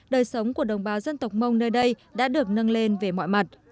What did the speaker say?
đời sống của đồng bào dân tộc mông nơi đây đã được nâng lên về mọi mặt